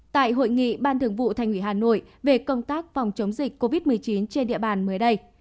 tại hội nghị ban thường vụ thành ủy hà nội về công tác phòng chống dịch covid một mươi chín trên địa bàn mới đây